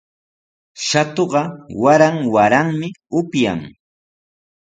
Shatuqa waran waranmi upyan.